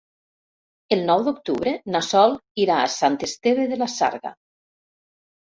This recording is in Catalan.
El nou d'octubre na Sol irà a Sant Esteve de la Sarga.